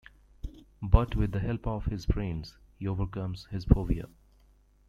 But with the help of his friends, he overcomes his phobia.